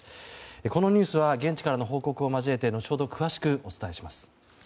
このニュースは現地からの報告を交えて後ほど詳しくお伝えします。